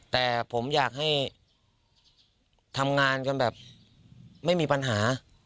แต่ผมอยากให้ทำงานกันแบบไม่มีปัญหา